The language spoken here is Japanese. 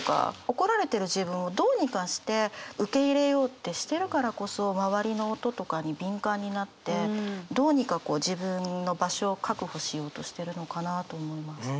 怒られてる自分をどうにかして受け入れようってしているからこそ周りの音とかに敏感になってどうにかこう自分の場所を確保しようとしてるのかなと思いました。